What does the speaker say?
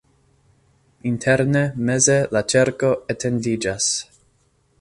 Interne meze la ĉerko etendiĝas.